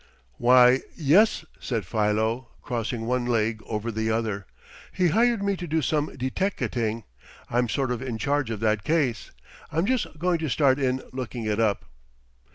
"Why, yes," said Philo, crossing one leg over the other. "He hired me to do some deteckating. I'm sort of in charge of that case. I'm just going to start in looking it up."